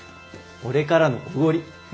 俺からのおごり。